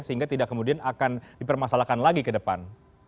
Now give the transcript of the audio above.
sehingga tidak kemudian akan dipermasalahkan lagi ke depan